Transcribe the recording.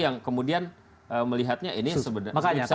yang kemudian melihatnya ini sebenarnya